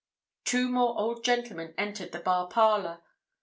Two more old gentlemen entered the bar parlour.